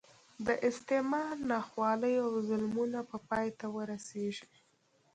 د استعمار ناخوالې او ظلمونه به پای ته ورسېږي.